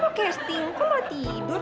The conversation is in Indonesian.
kok kamu casting kok mau tidur